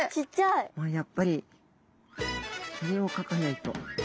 やっぱりこれを描かないと。